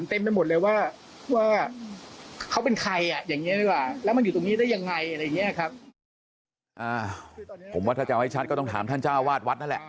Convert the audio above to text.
ผมว่าถ้าจะเอาให้ชัดก็ต้องถามท่านเจ้าวาดวัดนั่นแหละ